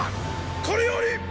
これより！